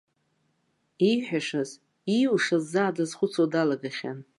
Ииҳәашаз, ииушаз заа дазхәыцуа далагахьан.